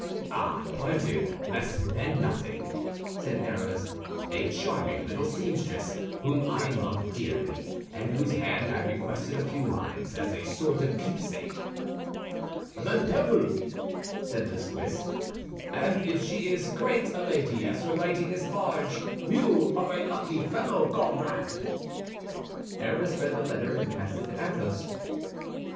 "Oh, pardieu, less than nothing," said Aramis; "a charming little seamstress, whom I love dearly and from whose hand I requested a few lines as a sort of keepsake." "The duvil!" said the Swiss, "if she is as great a lady as her writing is large, you are a lucky fellow, gomrade!" Aramis read the letter, and passed it to Athos.